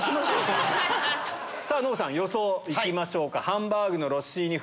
ノブさん予想行きましょうか。